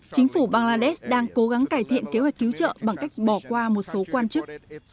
chính phủ bangladesh đang cố gắng cải thiện kế hoạch cứu trợ bằng cách bỏ qua một số quan chức